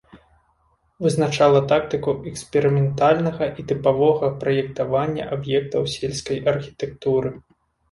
Вызначала тактыку эксперыментальнага і тыпавога праектавання аб'ектаў сельскай архітэктуры.